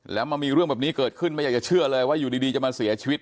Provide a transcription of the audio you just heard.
แล้วมันมีเรื่องแบบนี้เกิดขึ้นไม่อยากจะเชื่อเลยว่าอยู่ดีจะมาเสียชีวิต